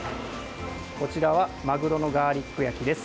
こちらはマグロのガーリック焼きです。